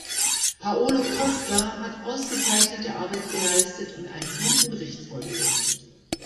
Paolo Costa hat ausgezeichnete Arbeit geleistet und einen guten Bericht vorgelegt.